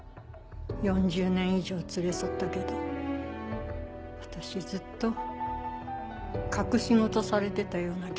４０年以上連れ添ったけど私ずっと隠し事されてたような気がする。